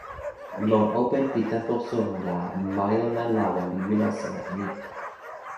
lon open pi tenpo suno la, majuna lawa li wile sona e ni: